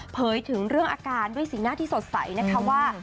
ถึงเรื่องอาการด้วยสีหน้าที่สดใสนะคะว่า